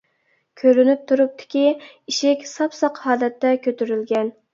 كۆرۈنۈپ تۇرۇپتۇكى، ئىشىك ساپساق ھالەتتە كۆتۈرۈلگەن.